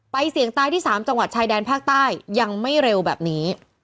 เสี่ยงตายที่๓จังหวัดชายแดนภาคใต้ยังไม่เร็วแบบนี้